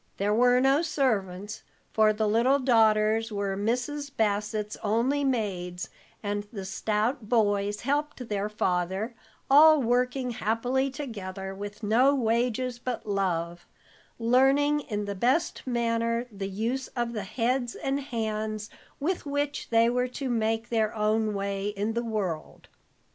There were no servants, for the little daughters were Mrs. Bassett's only maids, and the stout boys helped their father, all working happily together with no wages but love; learning in the best manner the use of the heads and hands with which they were to make their own way in the world.